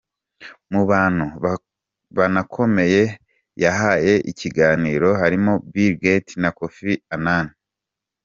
Mu bantu banakomeye yahaye ikiganiro harimo Bill Gates na Kofi Annan.